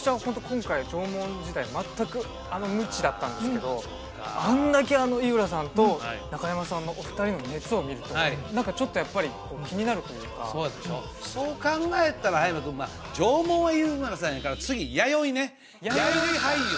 今回縄文時代全く無知だったんですけどあんだけ井浦さんと中山さんのお二人の熱を見ると何かちょっとやっぱり気になるというかそうでしょそう考えたら葉山君縄文は井浦さんやから次弥生ね弥生俳優！